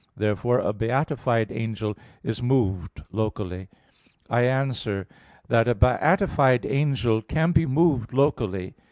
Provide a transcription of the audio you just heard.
Therefore a beatified angel is moved locally. I answer that, A beatified angel can be moved locally.